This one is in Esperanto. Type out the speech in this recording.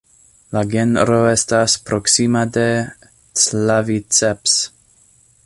La genro estas proksima de "Claviceps".